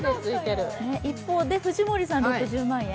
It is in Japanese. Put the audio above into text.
一方で藤森さん、６０万円？